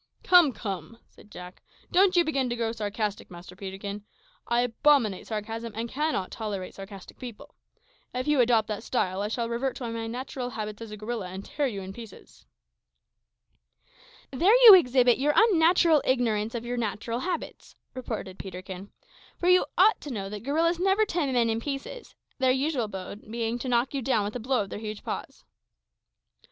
"Come, come," said Jack; "don't you begin to grow sarcastic, Master Peterkin. I abominate sarcasm, and cannot tolerate sarcastic people. If you adopt that style, I shall revert to my natural habits as a gorilla, and tear you in pieces." "There you exhibit your unnatural ignorance of your own natural habits," retorted Peterkin; "for you ought to know that gorillas never tear men in pieces their usual mode being to knock you down with a blow of their huge paws."